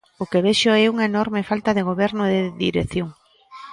O que vexo é unha enorme falta de goberno e de dirección.